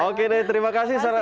oke deh terima kasih selamat